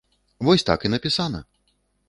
Вось так і напісана.